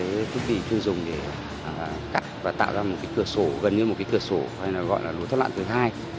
các cái thiết bị chuyên dùng để cắt và tạo ra một cái cửa sổ gần như một cái cửa sổ hay gọi là lối thoát lặn thứ hai